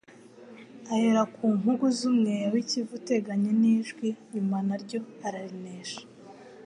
Ahera ku mpugu z'umweya w'i Kivu uteganye n Ijwi nyuma naryo ararinesha.